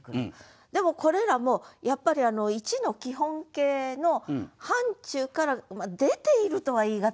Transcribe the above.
でもこれらもやっぱり一の基本形の範ちゅうから出ているとは言い難いでしょ。